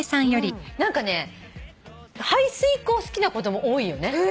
何かね排水溝好きな子供多いよね。